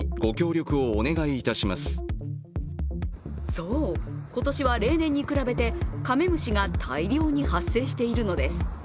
そう、今年は例年に比べてカメムシが大量に発生しているのです。